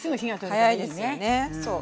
早いですよねそう。